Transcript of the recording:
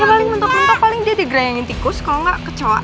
ya baling botol kecap paling dia digerayangin tikus kalo enggak kecoh